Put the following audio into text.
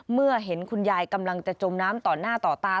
เมื่อเห็นคุณยายกำลังจะจมน้ำต่อหน้าต่อตา